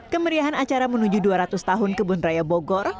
kemeriahan acara menuju dua ratus tahun kebun raya bogor